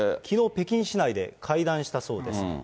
きのう、北京市内で会談したそうです。